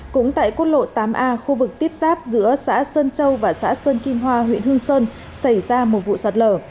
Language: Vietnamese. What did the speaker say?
cũng tại quốc lộ tám a khu vực tiếp giáp giữa xã sơn châu và xã sơn kim hoa huyện hương sơn xảy ra một vụ sạt lở